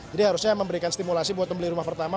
jadi harusnya memberikan stimulasi buat pembeli rumah pertama